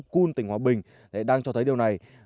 cung tỉnh hòa bình đang cho thấy điều này